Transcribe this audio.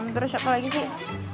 terus siapa lagi sih